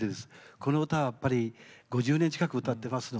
この歌は５０年近く歌っています。